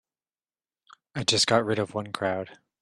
I just got rid of one crowd.